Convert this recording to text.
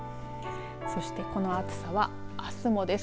そしてこの暑さはあすもです。